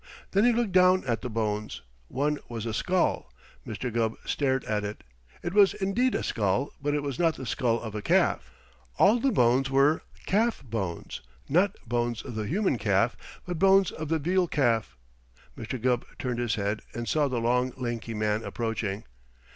Then he looked down at the bones. One was a skull. Mr. Gubb stared at it. It was indeed a skull, but it was the skull of a calf. All the bones were calf bones not bones of the human calf, but bones of the veal calf. Mr. Gubb turned his head and saw the long lanky man approaching.